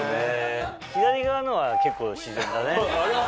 左側のは結構自然だね。